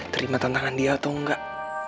terima tantangan dia atau enggak